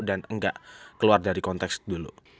dan enggak keluar dari konteks dulu